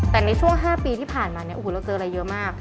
แต่ในช่วง๕ปีที่ผ่านมาเราเจออะไรเยอะมาก